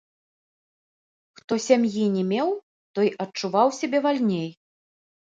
Хто сям'і не меў, той адчуваў сябе вальней.